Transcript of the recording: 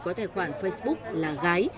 có tài khoản facebook là gái